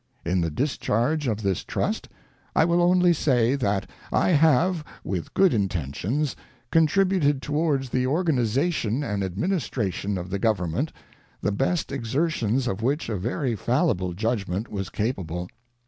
ŌĆö In the discharge of WASHINGTON'S FAREWELL ADDRESS this trust, I will only say, that I have, with good intentions, contributed towards the or ganization and administration of the govern ment, the best exertions of which a very fallible judgment was capable.